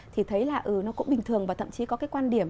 thì thấy là nó cũng bình thường và thậm chí có cái quan điểm